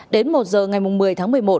đến một giờ ngày một mươi tháng một mươi một